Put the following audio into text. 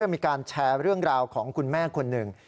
มีการแชร์เรื่องราวของคุณแม่คนหนึ่ง